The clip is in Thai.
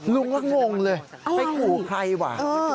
ลุงก็งงเลยไปขู่ใครว่ะ